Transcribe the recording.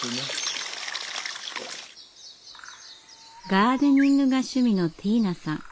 ガーデニングが趣味のティーナさん。